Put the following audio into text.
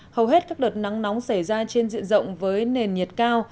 hầu hết các đợt nắng nóng xảy ra trên diện rộng với nền nhiệt cao